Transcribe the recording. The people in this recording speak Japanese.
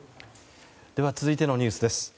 続いてのニュースです。